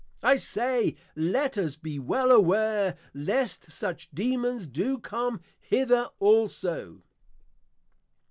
I say, Let us be well aware lest such Dæmons do Come hither also.